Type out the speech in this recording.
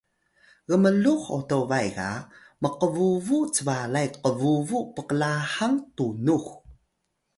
gmlux otobay ga mqbubu cbalay qbubu pklahang tunux